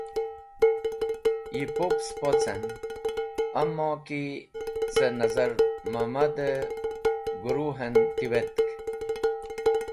Yi pup spocen, amaki, ca Nazar Mamad guru en tiwetk.